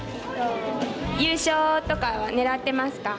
優勝とかは狙ってますか？